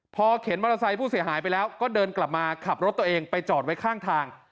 พอเข็นมอเตอร์ไซค์ผู้เสียหายไปแล้วก็เดินกลับมาขับรถตัวเองไปจอดไว้ข้างทาง